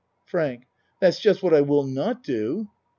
FRANK That's just what I will not do.